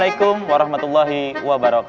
waalaikumsalam warahmatullahi wabarakatuh